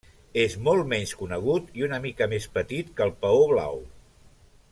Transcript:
És molt menys conegut i una mica més petit que el paó blau.